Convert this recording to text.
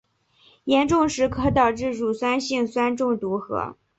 严重时可导致乳酸性酸中毒和。